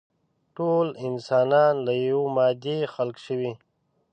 ټول انسانان له يوې مادې خلق شوي.